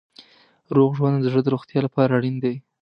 روغ ژوند د زړه د روغتیا لپاره اړین دی.